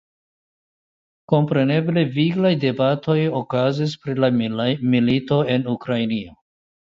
Kompreneble viglaj debatoj okazis pri la milito en Ukrainio.